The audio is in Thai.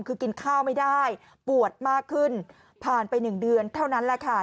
คือกินข้าวไม่ได้ปวดมากขึ้นผ่านไป๑เดือนเท่านั้นแหละค่ะ